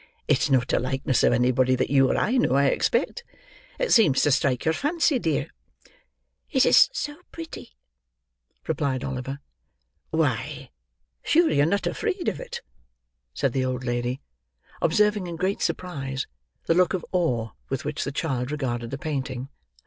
"It's not a likeness of anybody that you or I know, I expect. It seems to strike your fancy, dear." "It is so pretty," replied Oliver. "Why, sure you're not afraid of it?" said the old lady: observing in great surprise, the look of awe with which the child regarded the painting.